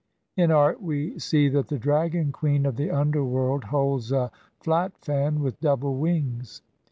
In art, we see that the Dragon Queen of the Underworld holds a flat fan with double wings.